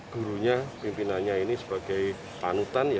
gurunya pimpinannya ini sebagai panutan ya